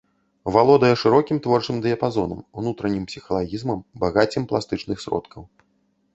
Валодае шырокім творчым дыяпазонам, унутраннім псіхалагізмам, багаццём пластычных сродкаў.